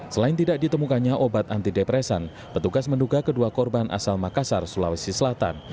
selain tidak ditemukannya obat anti depresan petugas menduga kedua korban asal makassar sulawesi selatan